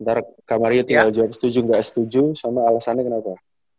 ntar kak mario tinggal jawab setuju gak setuju sama alasannya kenapa